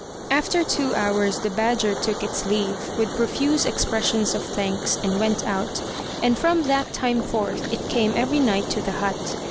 After two hours the badger took its leave, with profuse expressions of thanks, and went out; and from that time forth it came every night to the hut.